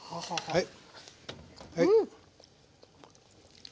はい。